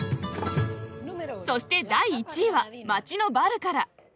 そして第１位は街のバルから。